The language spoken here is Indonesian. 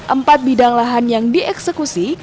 empat bidang lahan yang dieksekusi